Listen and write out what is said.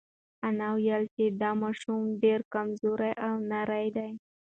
انا وویل چې دا ماشوم ډېر کمزوری او نری دی.